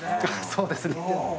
そうですね。